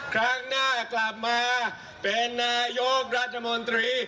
ครั้งหน้ากลับมาเป็นนายกรัฐมนตรี